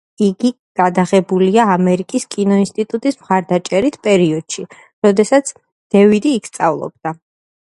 იგი გადაღებულია ამერიკის კინოინსტიტუტის მხარდაჭერით, პერიოდში, როდესაც დევიდი იქ სწავლობდა.